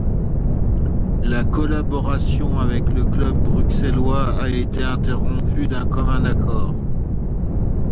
La collaboration avec le club bruxellois a été interrompue d'un commun accord.